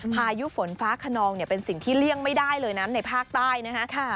พายุฝนฟ้าขนองเนี่ยเป็นสิ่งที่เลี่ยงไม่ได้เลยนะในภาคใต้นะฮะ